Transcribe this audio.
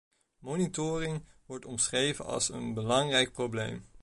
Monitoring wordt omschreven als een belangrijk probleem.